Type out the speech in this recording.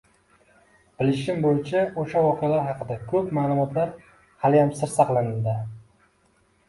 Bilishim bo‘yicha, o‘sha voqealar haqida ko‘p ma’lumotlar haliyam sir saqlanadi.